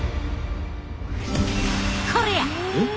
これや！